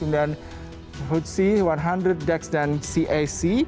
dan hutsi seratus dex dan cac